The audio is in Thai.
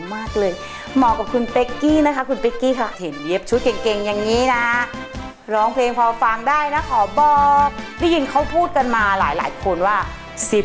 เมื่อกี้จะได้เห็นในวิทีอนางนะครับ